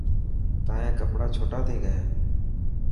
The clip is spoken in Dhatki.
تايان ڪپڙا ڇوٽا ٿي گيا.